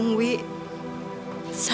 mau pun apa dua